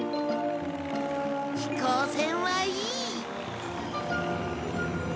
飛行船はいい！